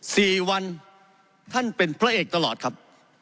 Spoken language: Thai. สี่วันท่านเป็นพระเอกตลอดครับ